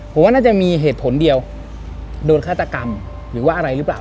ผมว่าน่าจะมีเหตุผลเดียวโดนฆาตกรรมหรือว่าอะไรหรือเปล่า